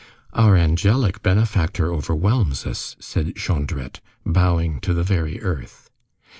"Our angelic benefactor overwhelms us," said Jondrette, bowing to the very earth.